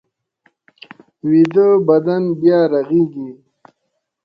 ویده بدن بیا رغېږي